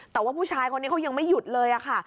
แต่ว่าผู้ชายคนนี้เขายังไม่หยุดเลยค่ะ